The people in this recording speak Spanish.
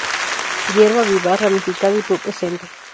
Hierba vivaz ramificada y pubescente.